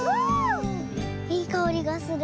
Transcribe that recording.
いいかおりがする。